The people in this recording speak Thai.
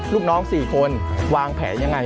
ลูกน้อง๔คนวางแผนยังไง